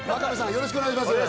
よろしくお願いします。